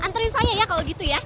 anterin saya ya kalau gitu ya